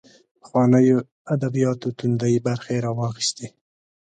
پخوانیو ادبیاتو توندۍ برخې راواخیستې